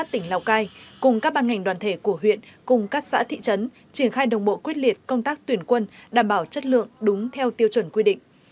tỉnh lào cai cùng các ban ngành đoàn thể của huyện cùng các xã thị trấn triển khai đồng bộ quyết liệt công tác tuyển quân đảm bảo chất lượng đúng theo tiêu chuẩn quy định